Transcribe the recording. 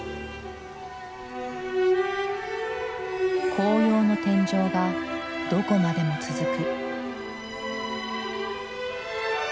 紅葉の天井がどこまでも続く。